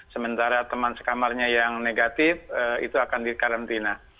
sementara teman sekamarnya yang negatif itu akan dikarantina